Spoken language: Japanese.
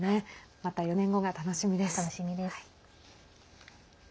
また４年後が楽しみです。